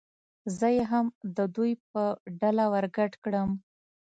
زه یې هم د دوی په ډله ور ګډ کړم.